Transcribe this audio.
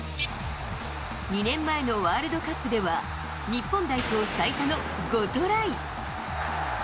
２年前のワールドカップでは日本代表最多の５トライ。